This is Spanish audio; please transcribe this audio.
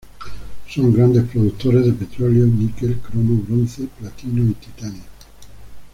Son grandes productores de petróleo, níquel, cromo, bronce, platino y titanio.